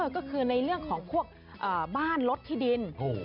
ก็คือในเรื่องของพวกบ้านลดที่ดิน